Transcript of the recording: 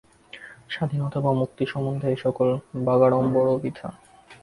স্বাধীনতা বা মুক্তি-সম্বন্ধে এই-সকল বাগাড়ম্বরও বৃথা।